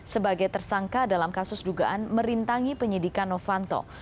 sebagai tersangka dalam kasus dugaan merintangi penyidikan novanto